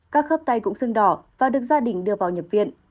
các khớp tay cũng sưng đỏ và được gia đình đưa vào nhập viện